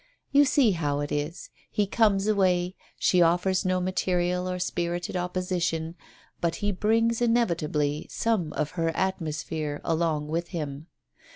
You see how it is, he comes away, she offers no material or spirited opposition, but he brings inevitably some of her atmosphere along with him.